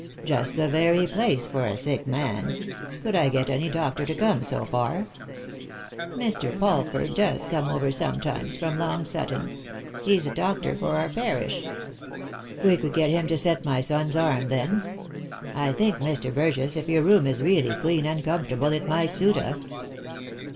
" Just the very place for a sick man. Could I get any doctor to come so far?" "Mr. Polford does come over sometimes from Long Sutton. He's doctor for our parish." " We could get him to set my son's arm, then. I think, Mr. Burgess, if your room is really clean and comfortable it might suit us."